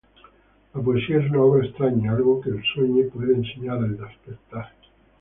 La poesía es una obra extraña, algo que el sueño puede enseñar al despertar.